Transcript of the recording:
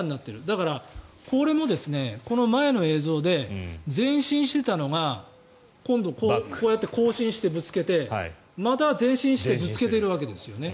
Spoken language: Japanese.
だからこれもこの前の映像で前進してたのが今度、こうやって後進してぶつけてまた前進してぶつけているわけですよね。